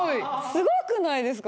すごくないですか？